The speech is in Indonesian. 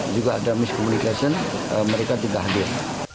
juga ada miskomunikasi mereka tidak hadir